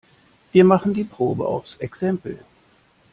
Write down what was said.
Wir machen die Probe aufs Exempel.